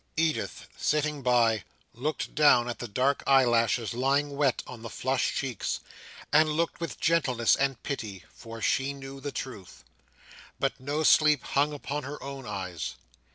Edith, sitting by, looked down at the dark eyelashes lying wet on the flushed cheeks, and looked with gentleness and pity, for she knew the truth. But no sleep hung upon her own eyes.